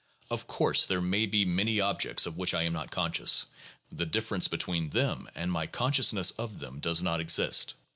Of course there may be many objects of which I am not conscious. The difference between them and my consciousness of them does not exist.